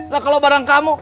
lah kalau barang kamu